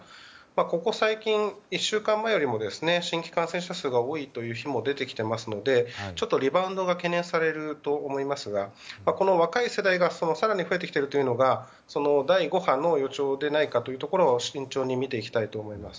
ここ最近、１週間前よりも新規感染者数が多いという日も出てきていますのでちょっとリバウンドが懸念されると思いますがこの若い世代が更に増えてきているというのが第５波の予兆ではないかというところを慎重に見ていきたいと思います。